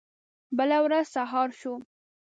بله ورځ سهار شو.